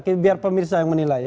udah biar pemirsa yang menilai ya